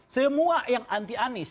semua yang anti anies